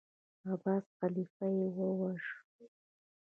عباسي خلیفه یې وواژه.